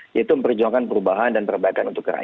yaitu memperjuangkan perubahan dan perbaikan untuk rakyat